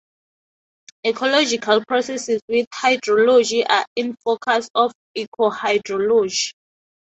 Ecological processes with hydrology are in focus of ecohydrology.